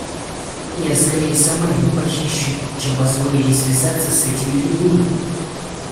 Я скорее сама его похищу, чем позволю ей связаться с этими людьми.